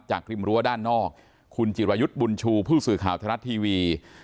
ริมรั้วด้านนอกคุณจิรายุทธ์บุญชูผู้สื่อข่าวไทยรัฐทีวี